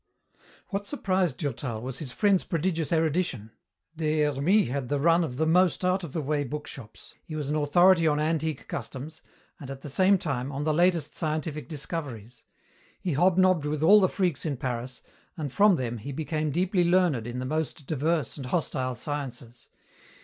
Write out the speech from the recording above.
What surprised Durtal was his friend's prodigious erudition. Des Hermies had the run of the most out of the way book shops, he was an authority on antique customs and, at the same time, on the latest scientific discoveries. He hobnobbed with all the freaks in Paris, and from them he became deeply learned in the most diverse and hostile sciences.